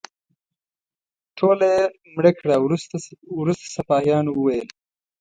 ټوله یې مړه کړه او وروسته سپاهیانو وویل.